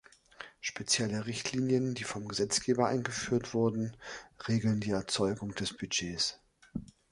Spezielle Richtlinien, die vom Gesetzgeber eingeführt wurden, regeln die Erzeugung des Budgets.